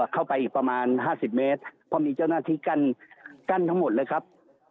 เข้าไปอีกประมาณ๕๐เมตรเพราะมีเจ้าหน้าที่กั้นทั้งหมดเลยครับ